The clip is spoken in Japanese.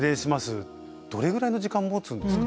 どれぐらいの時間もつんですか？